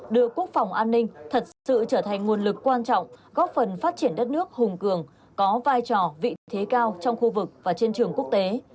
đưa quốc phòng an ninh thật sự trở thành nguồn lực quan trọng góp phần phát triển đất nước hùng cường có vai trò vị thế cao trong khu vực và trên trường quốc tế